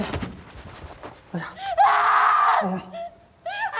ああ！